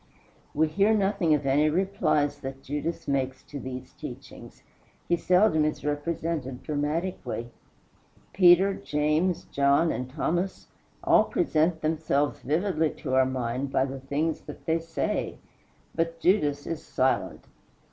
We hear nothing of any replies that Judas makes to these teachings. He seldom is represented dramatically. Peter, James, John, and Thomas, all present themselves vividly to our mind by the things that they say; but Judas is silent.